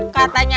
ada apaan sih